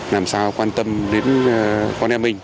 làm sao quan tâm đến con em mình